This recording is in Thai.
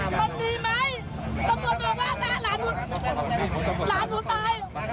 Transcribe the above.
ไอ้ต้องเบิดละดินอดีที่๕๑ครับเลย